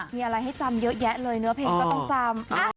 มีอะไรให้จำเยอะแยะเลยเนื้อเพลงก็ต้องจำ